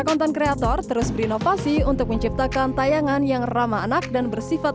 konten kreator terus berinovasi untuk menciptakan tayangan yang ramah anak dan bersifat